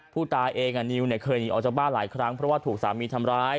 ผู้ตายเองกับนิวเคยหนีออกจากบ้านหลายครั้งเพราะว่าถูกสามีทำร้าย